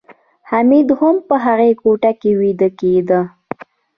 حمید هم په هغه کوټه کې ویده کېده